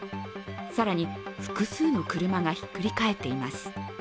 更に、複数の車がひっくり返っています。